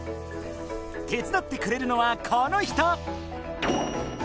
手伝ってくれるのはこの人。